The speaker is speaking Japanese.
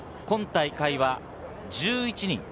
今大会は１１人。